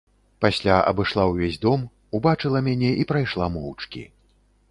Пасля абышла ўвесь дом, убачыла мяне і прайшла моўчкі.